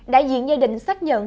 đại diện gia đình xác nhận